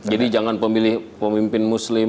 jadi jangan memilih pemimpin muslim